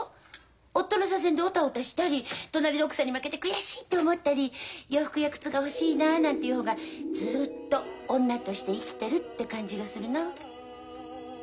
夫の左遷でオタオタしたり隣の奥さんに負けて悔しいって思ったり洋服や靴が欲しいななんて言う方がずっと女として生きてるって感じがするな。